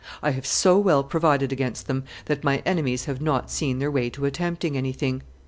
I have so well provided against them that my enemies have not seen their way to attempting anything. .